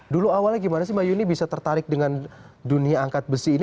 dulu awalnya gimana sih mbak yuni bisa tertarik dengan dunia angkat besi ini